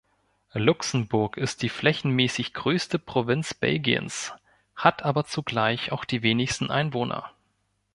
Luxemburg ist die flächenmäßig größte Provinz Belgiens, hat aber zugleich auch die wenigsten Einwohner.